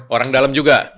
orang dalem juga